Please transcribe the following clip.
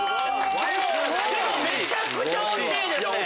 でもめちゃくちゃ惜しいですね！